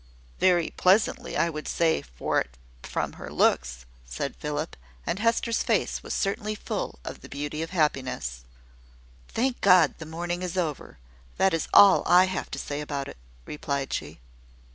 "Very pleasantly, I would answer for it from her looks," said Philip. And Hester's face was certainly full of the beauty of happiness. "Thank God, the morning is over! That is all I have to say about it," replied she.